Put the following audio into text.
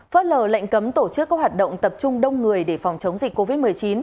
phớt lờ lệnh cấm tổ chức các hoạt động tập trung đông người để phòng chống dịch covid một mươi chín